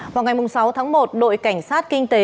vào ngày sáu tháng một đội cảnh sát kinh tế